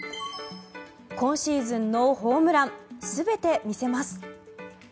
今シーズンのホームラン全て見せます。